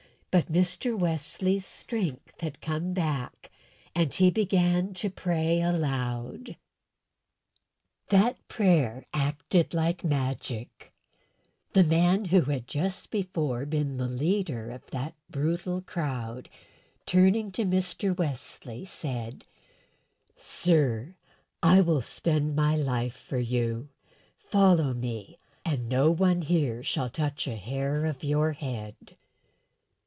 But Mr. Wesley's strength had come back, and he began to pray aloud. That prayer acted like magic; the man who had just before been the leader of that brutal crowd, turning to Mr. Wesley, said: "Sir, I will spend my life for you; follow me, and no one here shall touch a hair of your head."